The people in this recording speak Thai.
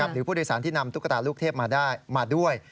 หรือผู้โดยสารที่นำตุ๊กตาลูกเทพมาได้มาด้วย